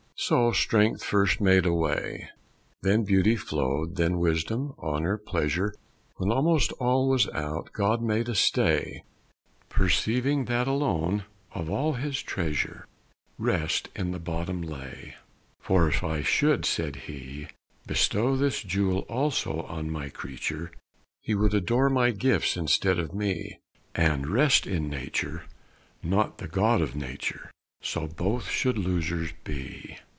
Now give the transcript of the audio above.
So strength first made a way; Then beauty flow'd, then wisdom, honor, pleasure When almost all was out, God made a stay, Perceiving that alone, of all His treasure, Rest in the bottom lay. For if I should (said He) Bestow this jewel also on My creature, He would adore My gifts instead of Me, And rest in Nature, not the God of Nature. So both should losers be.